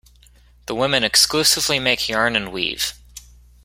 The women exclusively make yarn and weave.